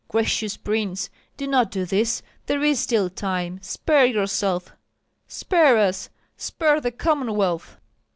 Gracious prince, do not do this; there is still time! Spare yourself, spare us, spare the Commonwealth!"